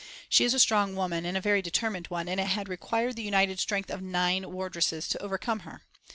She is a strong woman, and a very determined one, and it had required the united strength of nine wardresses to overcome her.